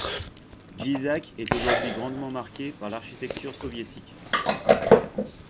Djizak est aujourd'hui grandement marquée par l'architecture soviétique.